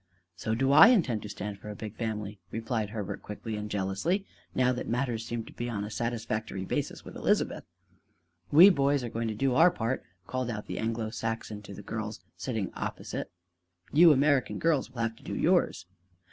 "So do I intend to stand for a big family," replied Herbert quickly and jealously, now that matters seemed to be on a satisfactory basis with Elizabeth. "We boys are going to do our part," called out the Anglo Saxon to the girls sitting opposite. "You American girls will have to do yours!"